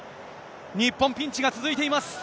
日本、ピンチが続いています。